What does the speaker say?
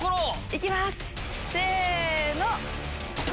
いきます！せの。